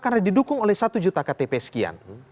karena didukung oleh satu juta ktp sekian